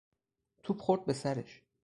توپ خورد به سرش.